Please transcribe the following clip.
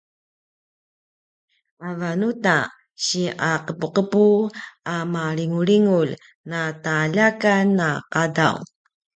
avan uta si aqepuqepu a malingulingulj na taljakan a qadaw